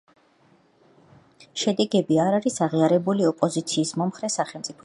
შედეგები არ არის აღიარებული ოპოზიციის მომხრე სახელმწიფოების მიერ.